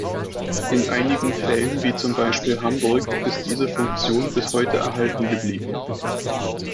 In einigen Fällen wie zum Beispiel Hamburg ist diese Funktion bis heute erhalten geblieben.